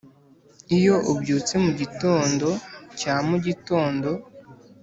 iyo ubyutse mugitondo cya mugitondo